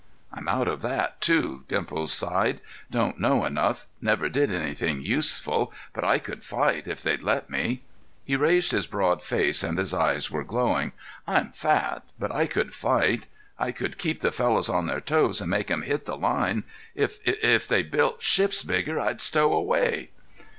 "I'm out of that, too," Dimples sighed. "Don't know enough—never did anything useful. But I could fight, if they'd let me." He raised his broad face and his eyes were glowing. "I'm fat, but I could fight. I could keep the fellows on their toes and make 'em hit the line. If—if they built ships bigger, I'd stowaway."